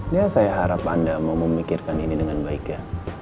ya saya harap anda mau memikirkan ini dengan baik ya